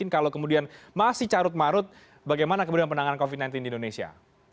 kalau kemudian masih carut marut bagaimana kemudian penanganan covid sembilan belas di indonesia